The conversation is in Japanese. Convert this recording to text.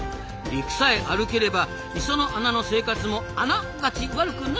陸さえ歩ければ磯の穴の生活もアナがち悪くないってことか。